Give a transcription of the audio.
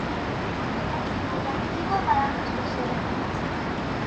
Erantzuna jakiteko, badakizue zer egin!